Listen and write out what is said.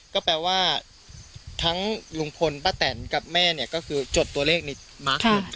ก็แปลว่าทั้งลุงพลป้าแต่นกับแม่เนี่ยก็คือจดตัวเลขในมาร์คเดียวกัน